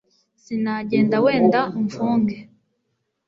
Sinagenda wenda umfunge